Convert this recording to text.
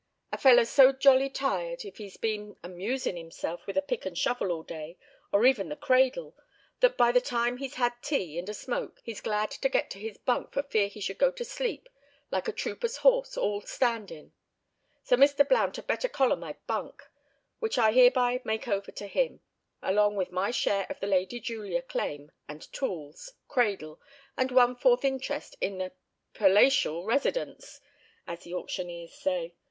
"A feller's so jolly tired if he's been amusin' himself with a pick and shovel all day, or even the cradle, that by the time he's had tea, and a smoke, he's glad to get to his bunk for fear he should go to sleep, like a trooper's horse, all standin'. So Mr. Blount had better collar my bunk, which I hereby make over to him, along with my share of the 'Lady Julia' claim and tools, cradle, and one fourth interest in the perlatial residence, as the auctioneers say.